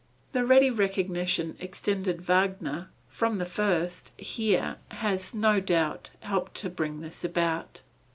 The ready recognition extended Wagner from the first here, has, no doubt, helped to bring this about.